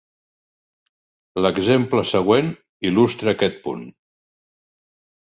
L'exemple següent il·lustra aquest punt.